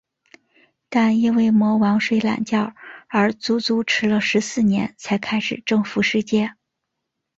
但因为魔王睡懒觉而足足迟了十四年才开始征服世界。